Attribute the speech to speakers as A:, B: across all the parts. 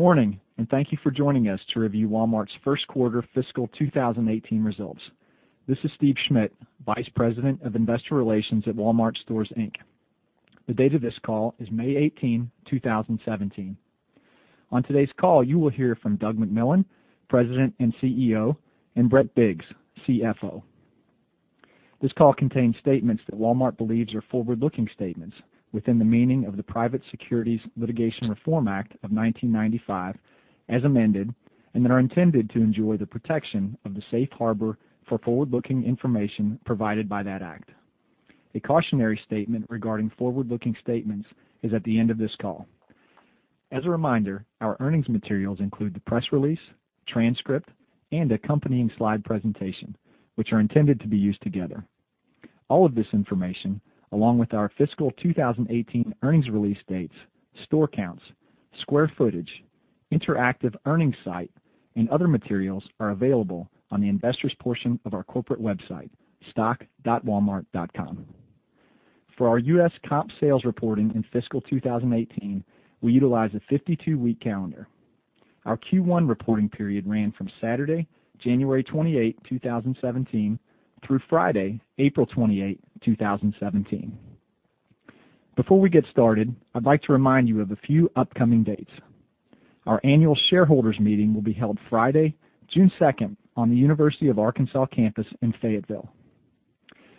A: Good morning, and thank you for joining us to review Walmart's first quarter fiscal 2018 results. This is Steve Schmitt, Vice President of Investor Relations at Walmart Stores, Inc. The date of this call is May 18, 2017. On today's call, you will hear from Doug McMillon, President and CEO, and Brett Biggs, CFO. This call contains statements that Walmart believes are forward-looking statements within the meaning of the Private Securities Litigation Reform Act of 1995, as amended, and that are intended to enjoy the protection of the safe harbor for forward-looking information provided by that act. A cautionary statement regarding forward-looking statements is at the end of this call. As a reminder, our earnings materials include the press release, transcript, and accompanying slide presentation, which are intended to be used together. All of this information, along with our fiscal 2018 earnings release dates, store counts, square footage, interactive earnings site, and other materials are available on the investors' portion of our corporate website, stock.walmart.com. For our U.S. comp sales reporting in fiscal 2018, we utilize a 52-week calendar. Our Q1 reporting period ran from Saturday, January 28, 2017, through Friday, April 28, 2017. Before we get started, I'd like to remind you of a few upcoming dates. Our annual shareholders meeting will be held Friday, June 2nd, on the University of Arkansas campus in Fayetteville.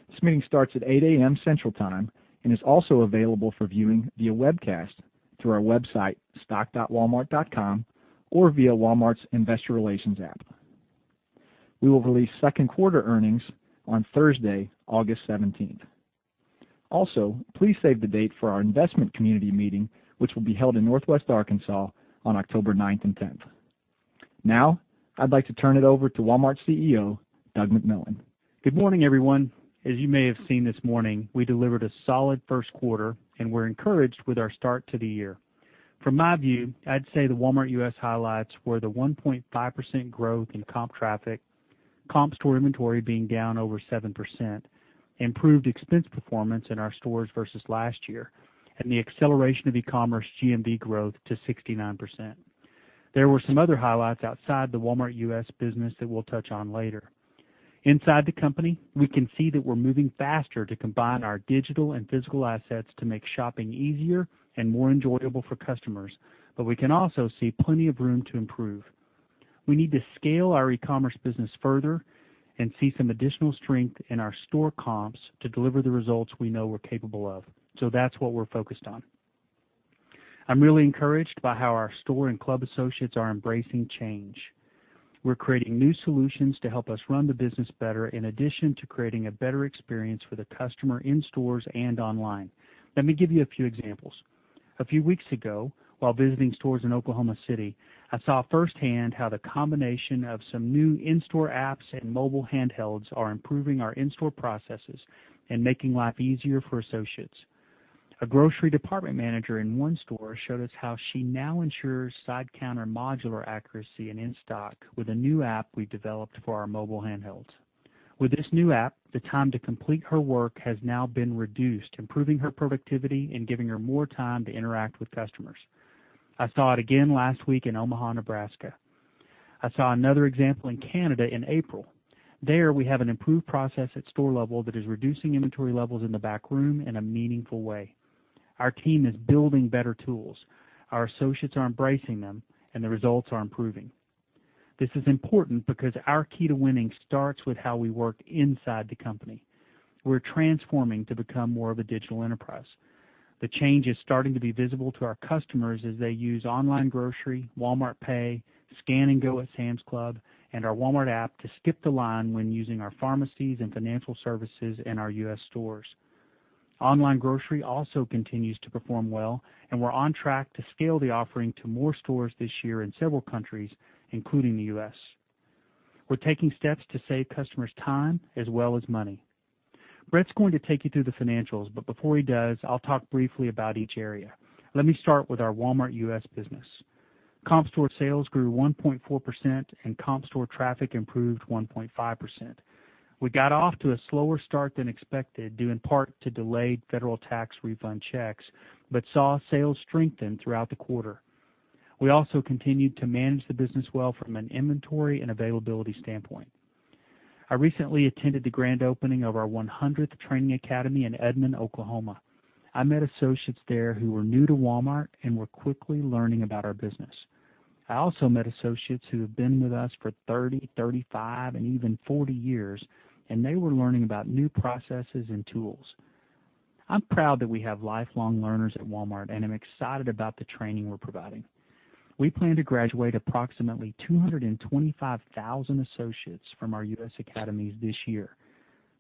A: This meeting starts at 8:00 A.M. Central Time and is also available for viewing via webcast through our website, stock.walmart.com, or via Walmart's Investor Relations app. We will release second-quarter earnings on Thursday, August 17th. Please save the date for our investment community meeting, which will be held in Northwest Arkansas on October 9th and 10th. I'd like to turn it over to Walmart's CEO, Doug McMillon.
B: Good morning, everyone. As you may have seen this morning, we delivered a solid first quarter, and we're encouraged with our start to the year. From my view, I'd say the Walmart U.S. highlights were the 1.5% growth in comp traffic, comp store inventory being down over 7%, improved expense performance in our stores versus last year, and the acceleration of e-commerce GMV growth to 69%. There were some other highlights outside the Walmart U.S. business that we'll touch on later. Inside the company, we can see that we're moving faster to combine our digital and physical assets to make shopping easier and more enjoyable for customers, we can also see plenty of room to improve. We need to scale our e-commerce business further and see some additional strength in our store comps to deliver the results we know we're capable of. That's what we're focused on. I'm really encouraged by how our store and Club associates are embracing change. We're creating new solutions to help us run the business better, in addition to creating a better experience for the customer in stores and online. Let me give you a few examples. A few weeks ago, while visiting stores in Oklahoma City, I saw firsthand how the combination of some new in-store apps and mobile handhelds are improving our in-store processes and making life easier for associates. A grocery department manager in one store showed us how she now ensures side counter modular accuracy and in-stock with a new app we developed for our mobile handhelds. With this new app, the time to complete her work has now been reduced, improving her productivity and giving her more time to interact with customers. I saw it again last week in Omaha, Nebraska. I saw another example in Canada in April. There, we have an improved process at store level that is reducing inventory levels in the back room in a meaningful way. Our team is building better tools. Our associates are embracing them, and the results are improving. This is important because our key to winning starts with how we work inside the company. We're transforming to become more of a digital enterprise. The change is starting to be visible to our customers as they use online grocery, Walmart Pay, Scan & Go at Sam's Club, and our Walmart app to skip the line when using our pharmacies and financial services in our U.S. stores. Online grocery also continues to perform well, and we're on track to scale the offering to more stores this year in several countries, including the U.S. We're taking steps to save customers time as well as money. Brett's going to take you through the financials, but before he does, I'll talk briefly about each area. Let me start with our Walmart U.S. business. Comp store sales grew 1.4%, and comp store traffic improved 1.5%. We got off to a slower start than expected, due in part to delayed federal tax refund checks, but saw sales strengthen throughout the quarter. We also continued to manage the business well from an inventory and availability standpoint. I recently attended the grand opening of our 100th training academy in Edmond, Oklahoma. I met associates there who were new to Walmart and were quickly learning about our business. I also met associates who have been with us for 30, 35, and even 40 years, and they were learning about new processes and tools. I'm proud that we have lifelong learners at Walmart, and I'm excited about the training we're providing. We plan to graduate approximately 225,000 associates from our U.S. academies this year.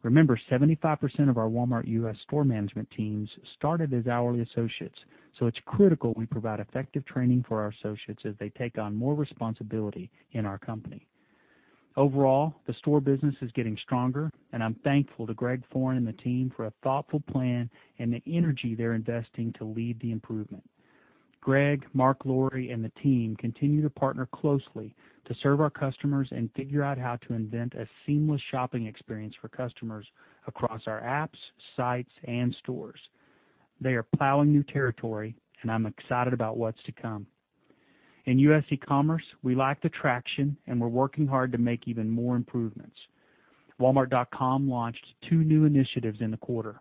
B: Remember, 75% of our Walmart U.S. store management teams started as hourly associates, so it's critical we provide effective training for our associates as they take on more responsibility in our company. Overall, the store business is getting stronger, and I'm thankful to Greg Foran and the team for a thoughtful plan and the energy they're investing to lead the improvement. Greg, Marc, Laurie, and the team continue to partner closely to serve our customers and figure out how to invent a seamless shopping experience for customers across our apps, sites, and stores. They are plowing new territory, and I'm excited about what's to come. In U.S. eCommerce, we like the traction, and we're working hard to make even more improvements. walmart.com launched two new initiatives in the quarter.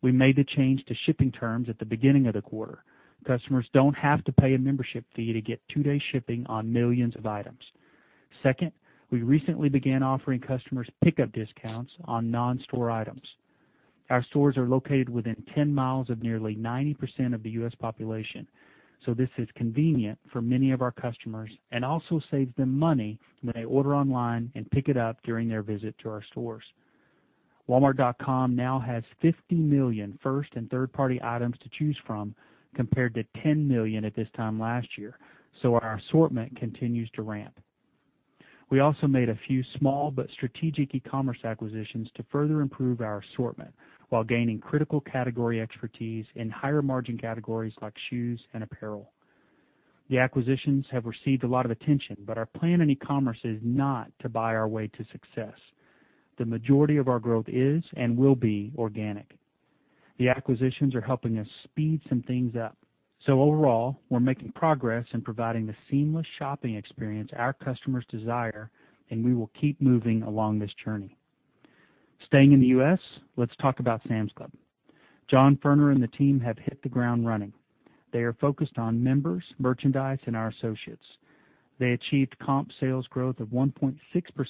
B: We made the change to shipping terms at the beginning of the quarter. Customers don't have to pay a membership fee to get two-day shipping on millions of items. We recently began offering customers pickup discounts on non-store items. Our stores are located within 10 miles of nearly 90% of the U.S. population, this is convenient for many of our customers and also saves them money when they order online and pick it up during their visit to our stores. walmart.com now has 50 million first and third-party items to choose from, compared to 10 million at this time last year, our assortment continues to ramp. We also made a few small but strategic eCommerce acquisitions to further improve our assortment while gaining critical category expertise in higher-margin categories like shoes and apparel. The acquisitions have received a lot of attention, our plan in eCommerce is not to buy our way to success. The majority of our growth is and will be organic. The acquisitions are helping us speed some things up. Overall, we're making progress in providing the seamless shopping experience our customers desire, and we will keep moving along this journey. Staying in the U.S., let's talk about Sam's Club. John Furner and the team have hit the ground running. They are focused on members, merchandise, and our associates. They achieved comp sales growth of 1.6%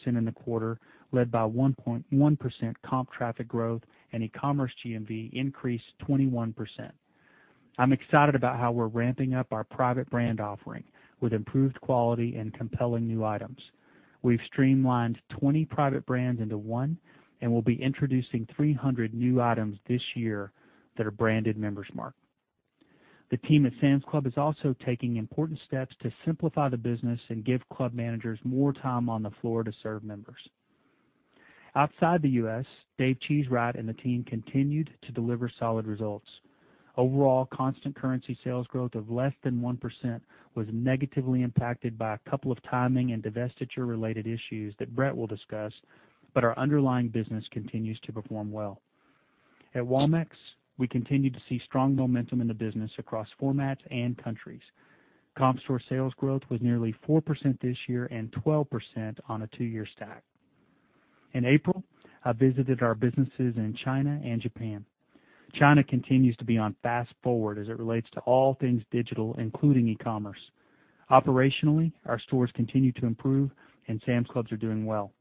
B: in the quarter, led by 1.1% comp traffic growth, and eCommerce GMV increased 21%. I'm excited about how we're ramping up our private brand offering with improved quality and compelling new items. We've streamlined 20 private brands into one, and we'll be introducing 300 new items this year that are branded Member's Mark. The team at Sam's Club is also taking important steps to simplify the business and give club managers more time on the floor to serve members. Outside the U.S., Dave Cheesewright and the team continued to deliver solid results. Overall, constant currency sales growth of less than 1% was negatively impacted by a couple of timing and divestiture-related issues that Brett will discuss, our underlying business continues to perform well. At Walmex, we continue to see strong momentum in the business across formats and countries. Comp store sales growth was nearly 4% this year and 12% on a two-year stack. In April, I visited our businesses in China and Japan. China continues to be on fast-forward as it relates to all things digital, including eCommerce. Operationally, our stores continue to improve, and Sam's Clubs are doing well.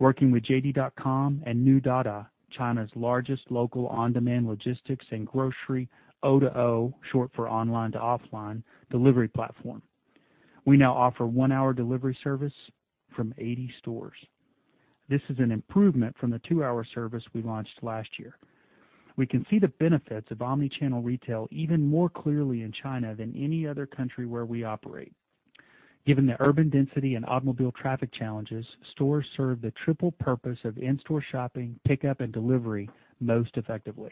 B: Working with JD.com and New Dada, China's largest local on-demand logistics and grocery O2O, short for online to offline, delivery platform. We now offer one-hour delivery service from 80 stores. This is an improvement from the two-hour service we launched last year. We can see the benefits of omni-channel retail even more clearly in China than any other country where we operate. Given the urban density and automobile traffic challenges, stores serve the triple purpose of in-store shopping, pickup, and delivery most effectively.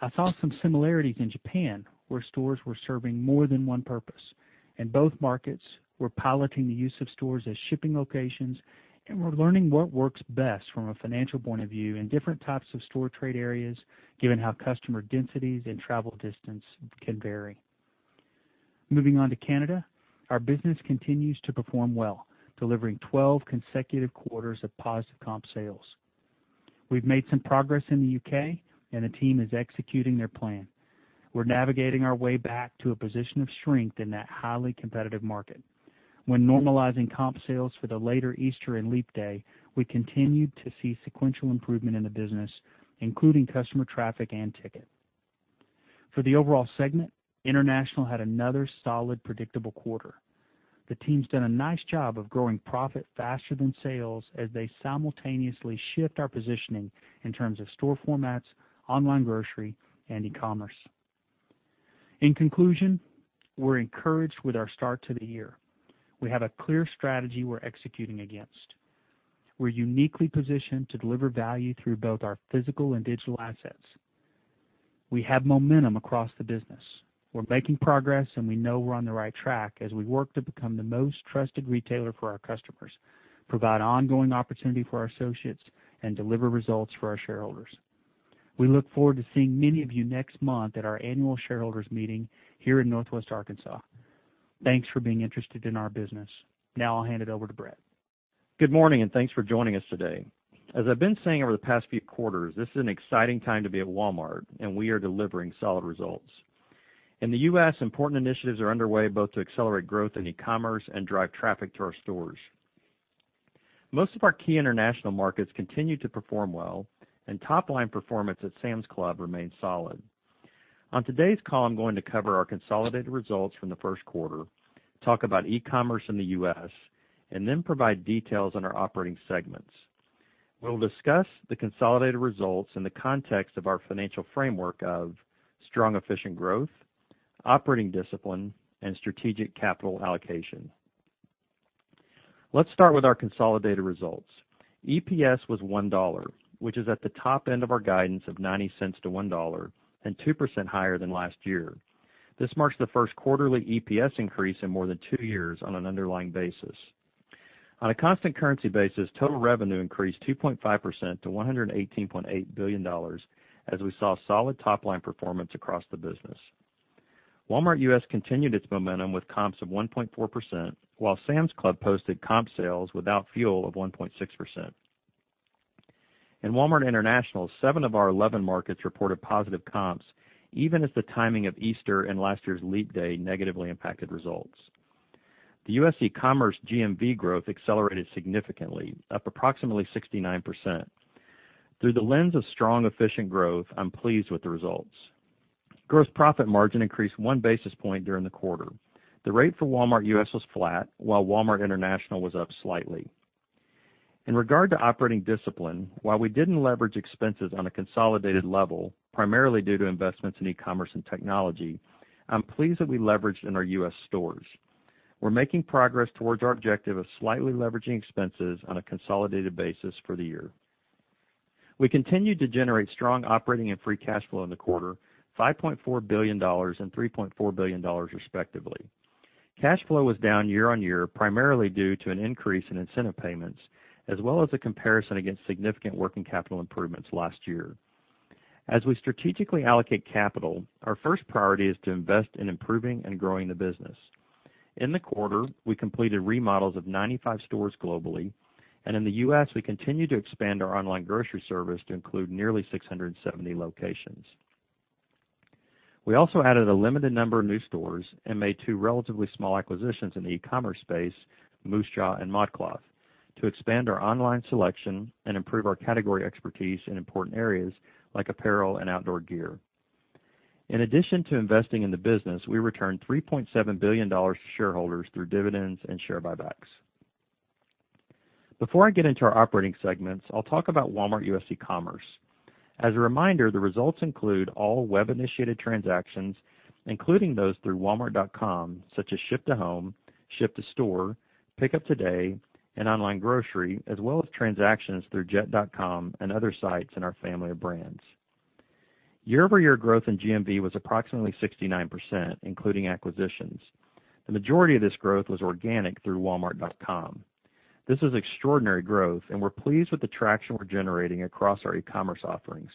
B: I saw some similarities in Japan, where stores were serving more than one purpose. In both markets, we're piloting the use of stores as shipping locations, we're learning what works best from a financial point of view in different types of store trade areas, given how customer densities and travel distance can vary. Moving on to Canada, our business continues to perform well, delivering 12 consecutive quarters of positive comp sales. We've made some progress in the U.K., and the team is executing their plan. We're navigating our way back to a position of strength in that highly competitive market. When normalizing comp sales for the later Easter and Leap Day, we continued to see sequential improvement in the business, including customer traffic and ticket. For the overall segment, International had another solid, predictable quarter. The team's done a nice job of growing profit faster than sales as they simultaneously shift our positioning in terms of store formats, online grocery, and eCommerce. In conclusion, we're encouraged with our start to the year. We have a clear strategy we're executing against. We're uniquely positioned to deliver value through both our physical and digital assets. We have momentum across the business. We're making progress. We know we're on the right track as we work to become the most trusted retailer for our customers, provide ongoing opportunity for our associates, and deliver results for our shareholders. We look forward to seeing many of you next month at our annual shareholders meeting here in Northwest Arkansas. Thanks for being interested in our business. Now I'll hand it over to Brett.
C: Good morning. Thanks for joining us today. As I've been saying over the past few quarters, this is an exciting time to be at Walmart, and we are delivering solid results. In the U.S., important initiatives are underway both to accelerate growth in eCommerce and drive traffic to our stores. Most of our key international markets continue to perform well, and top-line performance at Sam's Club remains solid. On today's call, I'm going to cover our consolidated results from the first quarter, talk about eCommerce in the U.S., then provide details on our operating segments. We'll discuss the consolidated results in the context of our financial framework of strong, efficient growth, operating discipline, and strategic capital allocation. Let's start with our consolidated results. EPS was $1, which is at the top end of our guidance of $0.90 to $1, and 2% higher than last year. This marks the first quarterly EPS increase in more than two years on an underlying basis. On a constant currency basis, total revenue increased 2.5% to $118.8 billion as we saw solid top-line performance across the business. Walmart U.S. continued its momentum with comps of 1.4%, while Sam's Club posted comp sales without fuel of 1.6%. In Walmart International, seven of our 11 markets reported positive comps, even as the timing of Easter and last year's Leap Day negatively impacted results. The U.S. eCommerce GMV growth accelerated significantly, up approximately 69%. Through the lens of strong efficient growth, I'm pleased with the results. Gross profit margin increased one basis point during the quarter. The rate for Walmart U.S. was flat, while Walmart International was up slightly. In regard to operating discipline, while we didn't leverage expenses on a consolidated level, primarily due to investments in e-commerce and technology, I'm pleased that we leveraged in our U.S. stores. We're making progress towards our objective of slightly leveraging expenses on a consolidated basis for the year. We continued to generate strong operating and free cash flow in the quarter, $5.4 billion and $3.4 billion, respectively. Cash flow was down year-on-year, primarily due to an increase in incentive payments, as well as a comparison against significant working capital improvements last year. As we strategically allocate capital, our first priority is to invest in improving and growing the business. In the quarter, we completed remodels of 95 stores globally, and in the U.S., we continued to expand our online grocery service to include nearly 670 locations. We also added two relatively small acquisitions in the e-commerce space, Moosejaw and ModCloth, to expand our online selection and improve our category expertise in important areas like apparel and outdoor gear. In addition to investing in the business, we returned $3.7 billion to shareholders through dividends and share buybacks. Before I get into our operating segments, I'll talk about Walmart U.S. e-commerce. As a reminder, the results include all web-initiated transactions, including those through walmart.com, such as Ship to Home, Ship to Store, Pick Up Today, and online grocery, as well as transactions through jet.com and other sites in our family of brands. Year-over-year growth in GMV was approximately 69%, including acquisitions. The majority of this growth was organic through walmart.com. This is extraordinary growth, and we're pleased with the traction we're generating across our e-commerce offerings.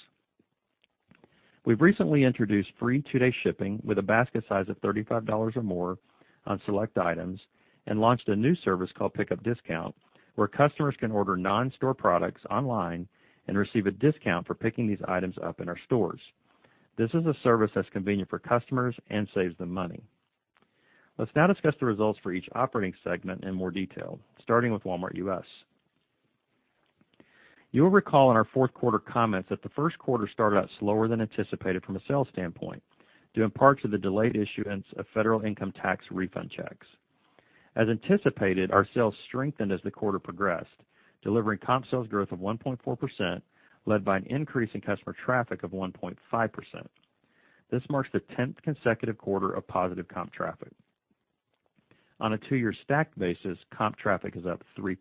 C: We've recently introduced free two-day shipping with a basket size of $35 or more on select items and launched a new service called Pickup Discount, where customers can order non-store products online and receive a discount for picking these items up in our stores. This is a service that's convenient for customers and saves them money. Let's now discuss the results for each operating segment in more detail, starting with Walmart U.S. You will recall in our fourth quarter comments that the first quarter started out slower than anticipated from a sales standpoint, due in part to the delayed issuance of federal income tax refund checks. As anticipated, our sales strengthened as the quarter progressed, delivering comp sales growth of 1.4%, led by an increase in customer traffic of 1.5%. This marks the tenth consecutive quarter of positive comp traffic. On a two-year stacked basis, comp traffic is up 3%.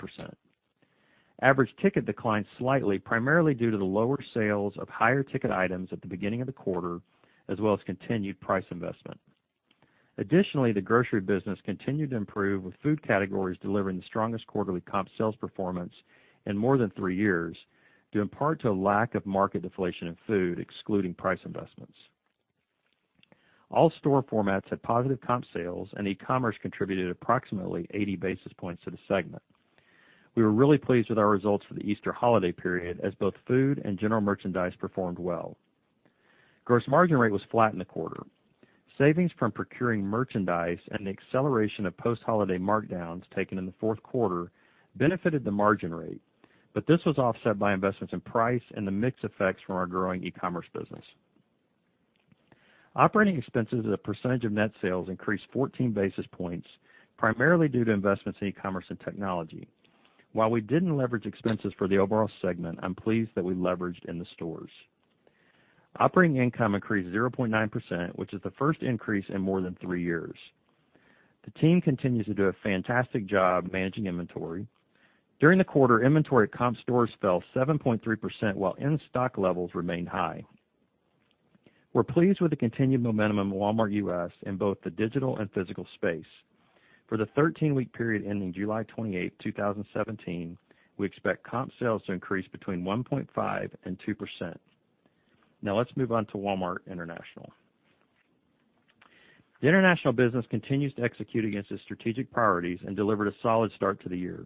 C: Average ticket declined slightly, primarily due to the lower sales of higher-ticket items at the beginning of the quarter, as well as continued price investment. Additionally, the grocery business continued to improve with food categories delivering the strongest quarterly comp sales performance in more than three years, due in part to a lack of market deflation in food, excluding price investments. All store formats had positive comp sales, and e-commerce contributed approximately 80 basis points to the segment. We were really pleased with our results for the Easter holiday period, as both food and general merchandise performed well. Gross margin rate was flat in the quarter. Savings from procuring merchandise and the acceleration of post-holiday markdowns taken in the fourth quarter benefited the margin rate, but this was offset by investments in price and the mix effects from our growing e-commerce business. Operating expenses as a percentage of net sales increased 14 basis points, primarily due to investments in e-commerce and technology. While we didn't leverage expenses for the overall segment, I'm pleased that we leveraged in the stores. Operating income increased 0.9%, which is the first increase in more than three years. The team continues to do a fantastic job managing inventory. During the quarter, inventory at comp stores fell 7.3% while in-stock levels remained high. We're pleased with the continued momentum of Walmart U.S. in both the digital and physical space. For the 13-week period ending July 28th, 2017, we expect comp sales to increase between 1.5% and 2%. Let's move on to Walmart International. The international business continues to execute against its strategic priorities and delivered a solid start to the year.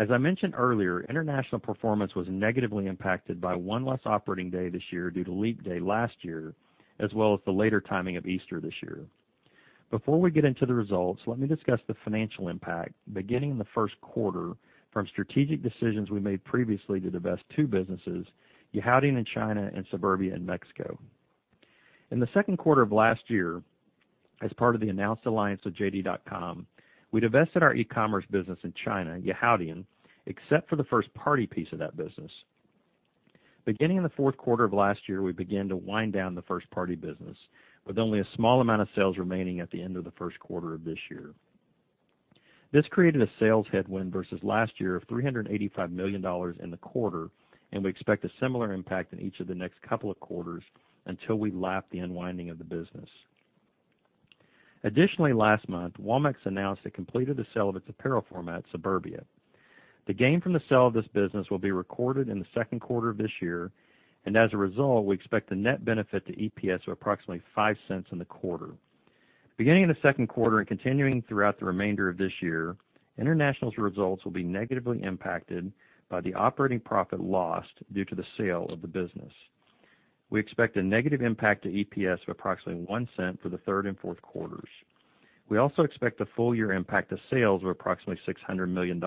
C: As I mentioned earlier, international performance was negatively impacted by one less operating day this year due to Leap Day last year, as well as the later timing of Easter this year. Before we get into the results, let me discuss the financial impact, beginning in the first quarter, from strategic decisions we made previously to divest two businesses, Yihaodian in China and Suburbia in Mexico. In the second quarter of last year, as part of the announced alliance with JD.com, we divested our e-commerce business in China, Yihaodian, except for the first-party piece of that business. Beginning in the fourth quarter of last year, we began to wind down the first-party business, with only a small amount of sales remaining at the end of the first quarter of this year. This created a sales headwind versus last year of $385 million in the quarter, and we expect a similar impact in each of the next couple of quarters until we lap the unwinding of the business. Additionally, last month, Walmex announced it completed the sale of its apparel format, Suburbia. The gain from the sale of this business will be recorded in the second quarter of this year, and as a result, we expect the net benefit to EPS of approximately $0.05 in the quarter. Beginning in the second quarter and continuing throughout the remainder of this year, International's results will be negatively impacted by the operating profit lost due to the sale of the business. We expect a negative impact to EPS of approximately $0.01 for the third and fourth quarters. We also expect a full-year impact to sales of approximately $600 million.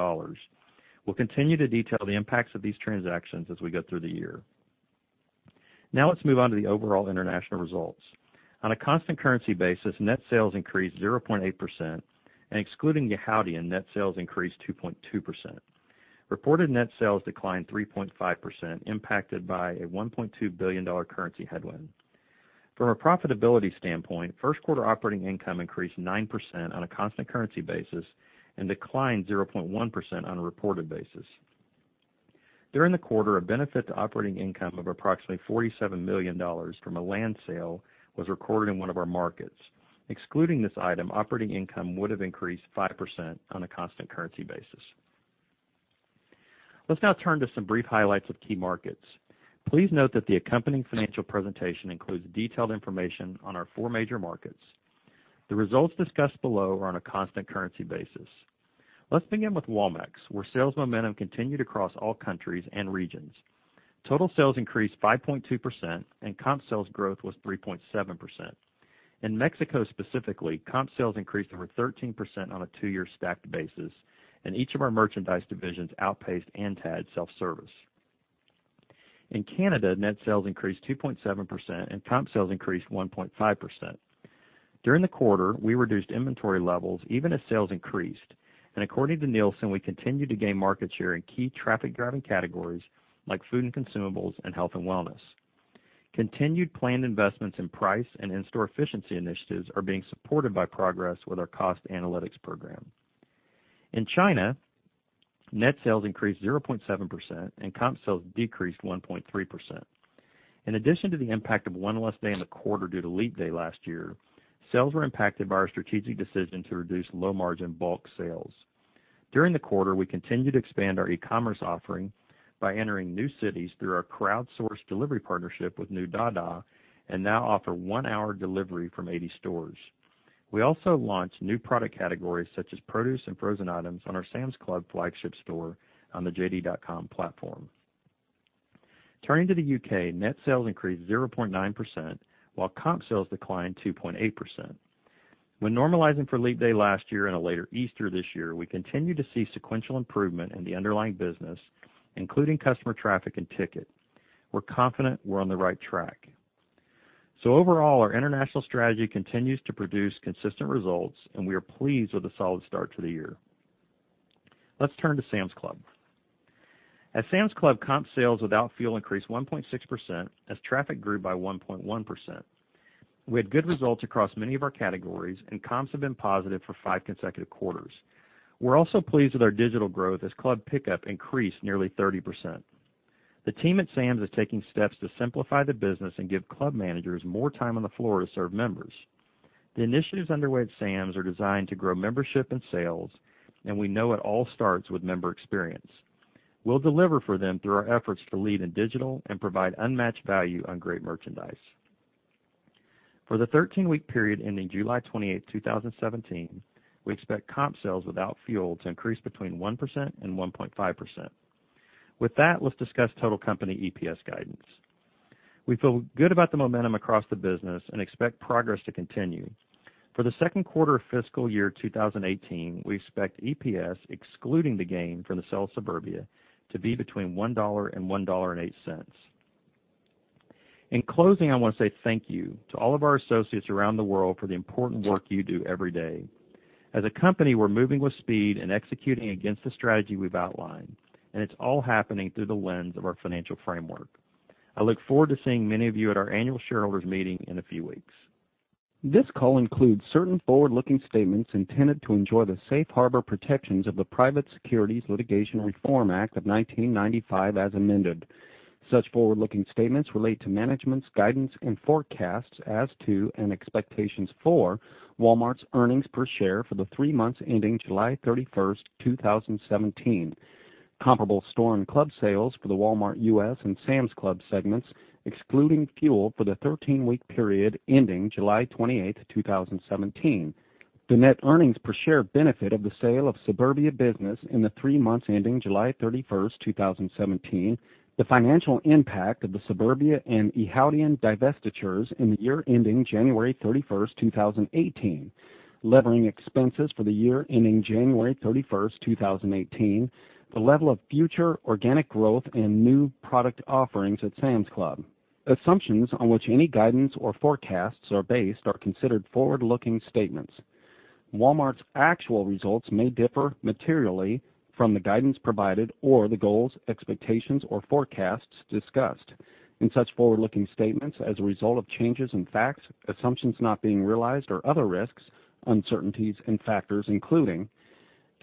C: We'll continue to detail the impacts of these transactions as we go through the year. Let's move on to the overall international results. On a constant currency basis, net sales increased 0.8%, and excluding Yihaodian, net sales increased 2.2%. Reported net sales declined 3.5%, impacted by a $1.2 billion currency headwind. From a profitability standpoint, first quarter operating income increased 9% on a constant currency basis and declined 0.1% on a reported basis. During the quarter, a benefit to operating income of approximately $47 million from a land sale was recorded in one of our markets. Excluding this item, operating income would have increased 5% on a constant currency basis. Let's now turn to some brief highlights of key markets. Please note that the accompanying financial presentation includes detailed information on our four major markets. The results discussed below are on a constant currency basis. Let's begin with Walmex, where sales momentum continued across all countries and regions. Total sales increased 5.2% and comp sales growth was 3.7%. In Mexico specifically, comp sales increased over 13% on a two-year stacked basis, and each of our merchandise divisions outpaced ANTAD self-service. In Canada, net sales increased 2.7% and comp sales increased 1.5%. During the quarter, we reduced inventory levels even as sales increased, and according to Nielsen, we continued to gain market share in key traffic-driving categories like food and consumables and health and wellness. Continued planned investments in price and in-store efficiency initiatives are being supported by progress with our cost analytics program. In China, net sales increased 0.7% and comp sales decreased 1.3%. In addition to the impact of one less day in the quarter due to Leap Day last year, sales were impacted by our strategic decision to reduce low-margin bulk sales. During the quarter, we continued to expand our e-commerce offering by entering new cities through our crowdsourced delivery partnership with New Dada and now offer one-hour delivery from 80 stores. We also launched new product categories such as produce and frozen items on our Sam's Club flagship store on the JD.com platform. Turning to the U.K., net sales increased 0.9%, while comp sales declined 2.8%. When normalizing for Leap Day last year and a later Easter this year, we continue to see sequential improvement in the underlying business, including customer traffic and ticket. We're confident we're on the right track. Overall, our international strategy continues to produce consistent results, and we are pleased with the solid start to the year. Let's turn to Sam's Club. At Sam's Club, comp sales without fuel increased 1.6% as traffic grew by 1.1%. We had good results across many of our categories, and comps have been positive for five consecutive quarters. We're also pleased with our digital growth as Club Pickup increased nearly 30%. The team at Sam's is taking steps to simplify the business and give club managers more time on the floor to serve members. The initiatives underway at Sam's are designed to grow membership and sales, and we know it all starts with member experience. We'll deliver for them through our efforts to lead in digital and provide unmatched value on great merchandise. For the 13-week period ending July 28, 2017, we expect comp sales without fuel to increase between 1% and 1.5%. With that, let's discuss total company EPS guidance. We feel good about the momentum across the business and expect progress to continue. For the second quarter of fiscal year 2018, we expect EPS, excluding the gain from the sale of Suburbia, to be between $1 and $1.08. In closing, I want to say thank you to all of our associates around the world for the important work you do every day. As a company, we're moving with speed and executing against the strategy we've outlined, and it's all happening through the lens of our financial framework. I look forward to seeing many of you at our annual shareholders meeting in a few weeks. This call includes certain forward-looking statements intended to enjoy the safe harbor protections of the Private Securities Litigation Reform Act of 1995 as amended. Such forward-looking statements relate to management's guidance and forecasts as to, and expectations for, Walmart's earnings per share for the three months ending July 31, 2017. Comparable store and club sales for the Walmart U.S. and Sam's Club segments, excluding fuel for the 13-week period ending July 28, 2017. The net earnings per share benefit of the sale of Suburbia business in the three months ending July 31, 2017. The financial impact of the Suburbia and Yihaodian divestitures in the year ending January 31, 2018. Levering expenses for the year ending January 31, 2018. The level of future organic growth and new product offerings at Sam's Club. Assumptions on which any guidance or forecasts are based are considered forward-looking statements. Walmart's actual results may differ materially from the guidance provided or the goals, expectations, or forecasts discussed in such forward-looking statements as a result of changes in facts, assumptions not being realized or other risks, uncertainties, and factors, including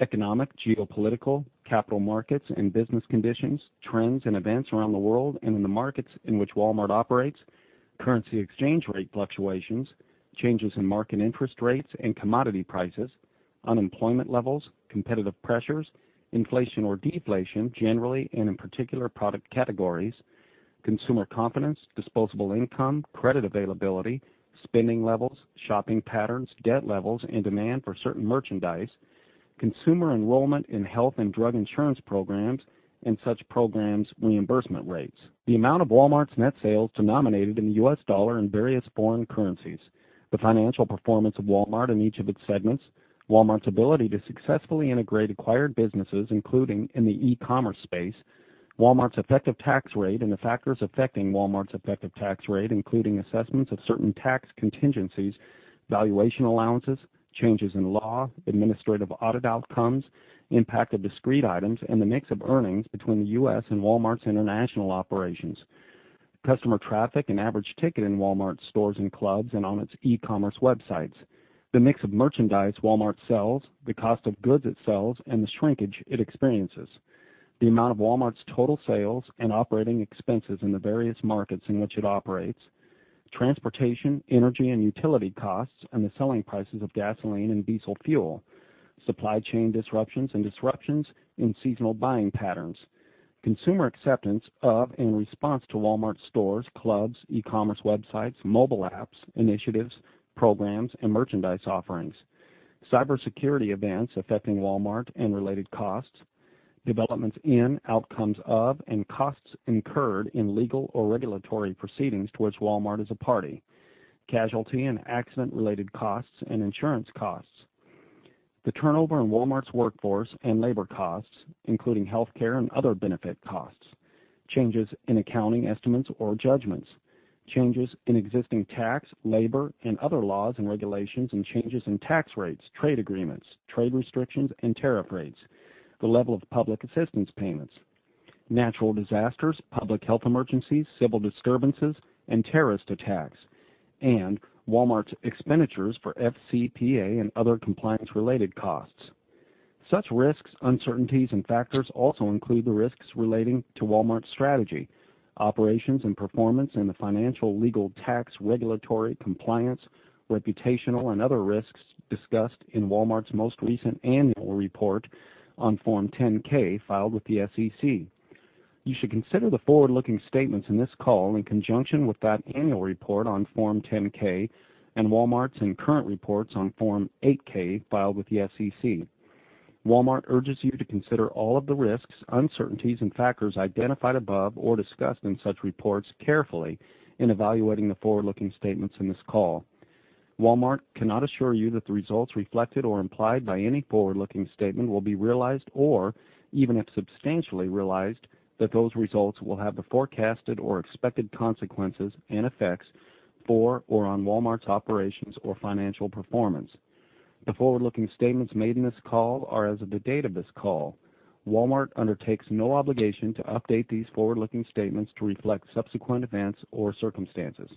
C: Economic, geopolitical, capital markets and business conditions, trends and events around the world and in the markets in which Walmart operates, currency exchange rate fluctuations, changes in market interest rates and commodity prices, unemployment levels, competitive pressures, inflation or deflation, generally and in particular product categories, consumer confidence, disposable income, credit availability, spending levels, shopping patterns, debt levels, and demand for certain merchandise, consumer enrollment in health and drug insurance programs and such programs' reimbursement rates. The amount of Walmart's net sales denominated in the U.S. dollar and various foreign currencies, the financial performance of Walmart in each of its segments, Walmart's ability to successfully integrate acquired businesses, including in the e-commerce space, Walmart's effective tax rate and the factors affecting Walmart's effective tax rate, including assessments of certain tax contingencies, valuation allowances, changes in law, administrative audit outcomes, impact of discrete items, and the mix of earnings between the U.S. and Walmart International operations. Customer traffic and average ticket in Walmart stores and clubs and on its e-commerce websites. The mix of merchandise Walmart sells, the cost of goods it sells, and the shrinkage it experiences. The amount of Walmart's total sales and operating expenses in the various markets in which it operates. Transportation, energy and utility costs and the selling prices of gasoline and diesel fuel. Supply chain disruptions and disruptions in seasonal buying patterns. Consumer acceptance of and response to Walmart stores, clubs, e-commerce websites, mobile apps, initiatives, programs, and merchandise offerings. Cybersecurity events affecting Walmart and related costs, developments in, outcomes of, and costs incurred in legal or regulatory proceedings towards Walmart as a party. Casualty and accident-related costs and insurance costs. The turnover in Walmart's workforce and labor costs, including healthcare and other benefit costs. Changes in accounting estimates or judgments. Changes in existing tax, labor, and other laws and regulations, and changes in tax rates, trade agreements, trade restrictions, and tariff rates. The level of public assistance payments. Natural disasters, public health emergencies, civil disturbances, and terrorist attacks, and Walmart's expenditures for FCPA and other compliance-related costs. Such risks, uncertainties, and factors also include the risks relating to Walmart's strategy, operations and performance in the financial, legal, tax, regulatory, compliance, reputational, and other risks discussed in Walmart's most recent annual report on Form 10-K filed with the SEC. You should consider the forward-looking statements in this call in conjunction with that annual report on Form 10-K and Walmart's and current reports on Form 8-K filed with the SEC. Walmart urges you to consider all of the risks, uncertainties, and factors identified above or discussed in such reports carefully in evaluating the forward-looking statements in this call. Walmart cannot assure you that the results reflected or implied by any forward-looking statement will be realized or, even if substantially realized, that those results will have the forecasted or expected consequences and effects for or on Walmart's operations or financial performance. The forward-looking statements made in this call are as of the date of this call. Walmart undertakes no obligation to update these forward-looking statements to reflect subsequent events or circumstances.